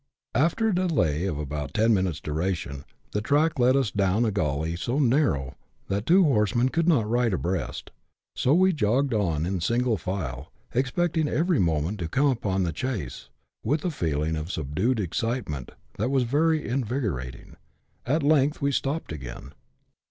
After a delay of about ten minutes' duration, the track led us away down a gully so narrow, that two horsemen could not ride abreast ; so we jogged on in single file, expecting every moment to come upon the chase, with a feeling of subdued excitement that was very invigorating. At length we stopped again.